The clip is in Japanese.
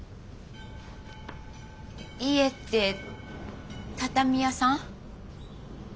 家って畳屋さん？